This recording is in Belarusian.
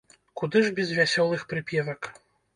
Куды ж без вясёлых прыпевак!